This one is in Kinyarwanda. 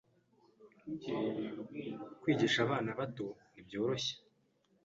Kwigisha abana bato ntibyoroshye.